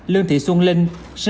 lương thị xuân linh